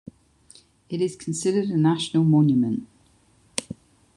It is considered a national monument.